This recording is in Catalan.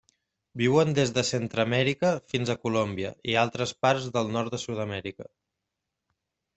Viuen des de Centreamèrica fins a Colòmbia i altres parts del nord de Sud-amèrica.